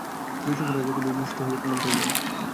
জয়সিংহ রাজাকে ভূমিষ্ঠ হইয়া প্রণাম করিলেন।